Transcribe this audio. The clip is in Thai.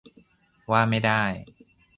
ว่าไม่ได้